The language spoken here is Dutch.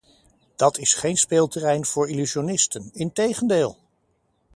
Dat is geen speelterrein voor illusionisten, integendeel!